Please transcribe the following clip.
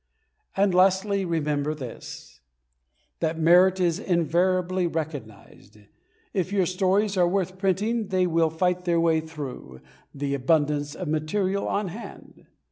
And lastly, remember this, that merit is invariably recognised. If your stories are worth printing, they will fight their way through "the abundance of material on hand."